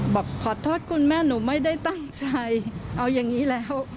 บอกขอโทษคุณแม่หนูไม่ได้ตั้งใจเอาอย่างนี้แล้ว